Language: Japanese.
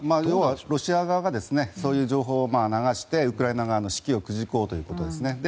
要は、ロシア側がそういう情報を流してウクライナ側の士気をくじこうということですね。